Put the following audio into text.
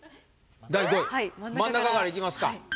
第５位真ん中からいきますか。